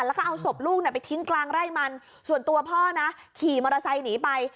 แล้วก็เอาศพลูกไปทิ้งกลางไร่มันส่วนตัวพ่อนะขี่มอเตอร์ไซค์หนีไป